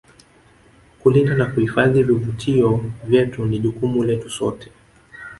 kulinda na kuhifadhi vivutio vyetu ni jukumu letu sote